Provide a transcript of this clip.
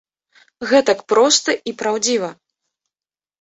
Гэтак проста і праўдзіва!